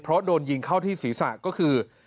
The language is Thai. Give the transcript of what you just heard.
เพราะโดนยิงเข้าที่ศีรษะก็คือ